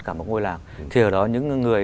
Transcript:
cả một ngôi làng thì ở đó những người